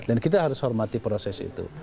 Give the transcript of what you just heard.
dan kita harus hormati proses itu